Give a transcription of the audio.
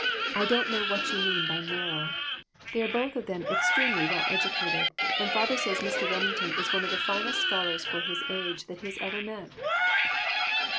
I don't know what you mean by narrow. They are both of them extremely well educated, and father says Mr. Remington is one of the finest scholars for his age that he has ever met."